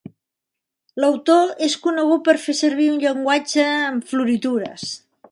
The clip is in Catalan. L'autor és conegut per fer servir un llenguatge amb floritures.